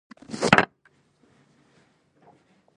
هغه څه چې باید کړي مې وای، دا و.